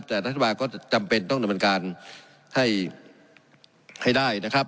แต่ทัศนบาลก็จำเป็นต้องดำเนินการให้ได้